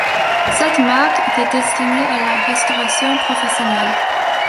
Cette marque était destinée à la restauration professionnelle.